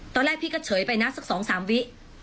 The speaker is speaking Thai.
ตอนแรกพี่ก็เฉยไปนะสักสองสามวิ